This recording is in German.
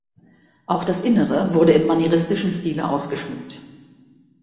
Auch das Innere wurde im manieristischen Stile ausgeschmückt.